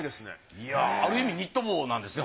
いやある意味ニット帽なんですね